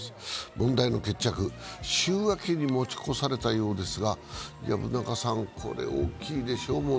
問題の決着は週明けに持ち越されたそうですが、この問題は大きいでしょう？